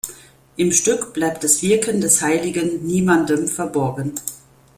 Im Stück bleibt das Wirken des Heiligen niemandem verborgen.